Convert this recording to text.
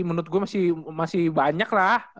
menurut gue masih banyak lah